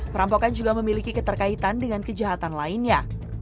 perampokan juga memiliki keterkaitan dengan kejahatan lainnya